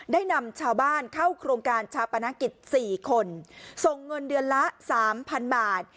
ได้นำชาวบ้านเข้าโครงการชาปนกิจสี่คนส่งเงินเดือนละสามพันบาท